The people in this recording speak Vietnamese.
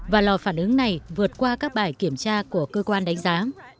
và lò phản ứng này vượt qua các bài kiểm tra của cơ quan đánh giá